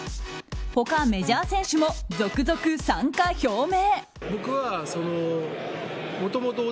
他、メジャー選手も続々参加表明。